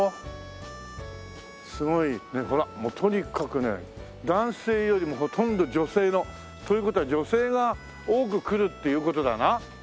もうとにかくね男性よりもほとんど女性の。という事は女性が多く来るっていう事だな。